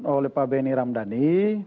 oleh pak benny ramdhani